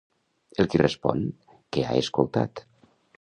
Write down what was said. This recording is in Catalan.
El qui respon, què ha escoltat?